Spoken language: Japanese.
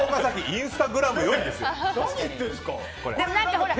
インスタグラムよりですよ。